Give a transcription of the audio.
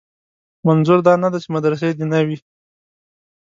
منظور دا نه دی چې مدرسې دې نه وي.